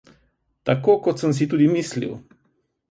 Tako kot sem si tudi mislil!